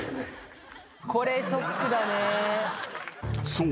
［そう。